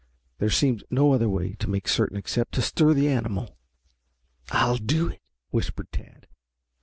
There seemed no other way to make certain except to stir the animal. "I'll do it," whispered Tad.